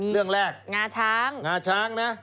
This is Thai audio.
เรื่องแรกมีงาช้างงาช้างงาช้าง